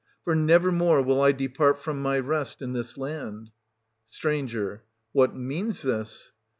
for nevermore will I depart from my rest in this land. St. What means this?